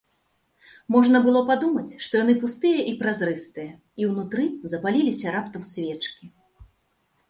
Можна было падумаць, што яны пустыя і празрыстыя і ўнутры запаліліся раптам свечкі.